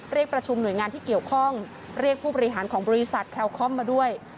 เรียกประชุมหน่วยงานที่เกี่ยวข้องเรียกผู้บริหารของบริษัทแคลคอมมาด้วย